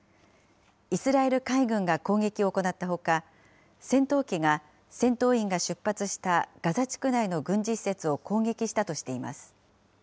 イスラエル海軍が攻撃を行ったほか、戦闘機が戦闘員が出発したガザ地区内の軍事施設を攻撃したとしています。